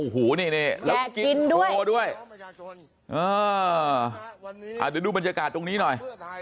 หู้นี่แก๊กินด้วยด้วยเดี๋ยวดูบรรยากาศตรงนี้หน่อย